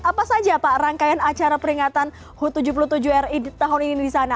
apa saja pak rangkaian acara peringatan hu tujuh puluh tujuh ri tahun ini di sana